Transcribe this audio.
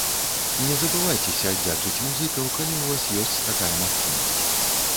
Не забывайцеся аддзячыць музыкаў, калі ў вас ёсць такая магчымасць.